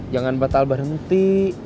jangan batal berhenti